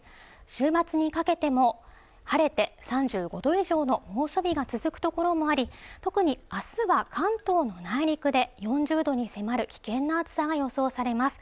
週末にかけても晴れて３５度以上の猛暑日が続く所もあり特にあすは関東の内陸で４０度に迫る危険な暑さが予想されます